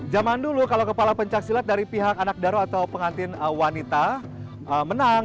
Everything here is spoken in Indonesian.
zaman dulu kalau kepala pencaksilat dari pihak anak daro atau pengantin wanita menang